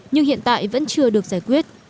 nhưng hiện tại vẫn chưa được giải quyết